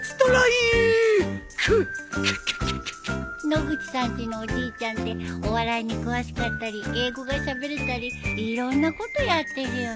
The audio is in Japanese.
野口さんちのおじいちゃんってお笑いに詳しかったり英語がしゃべれたりいろんなことやってるよね。